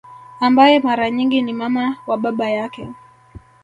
Ambaye mara nyingi ni mama wa baba yake